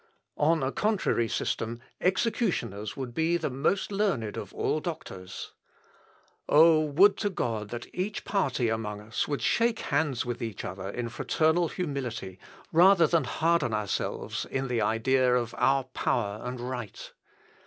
On a contrary system, executioners would be the most learned of all doctors. Oh! would to God that each party among us would shake hands with each other in fraternal humility, rather than harden ourselves in the idea of our power and right!